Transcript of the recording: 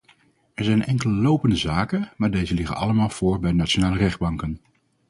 Er zijn enkele lopende zaken, maar deze liggen allemaal voor bij nationale rechtbanken.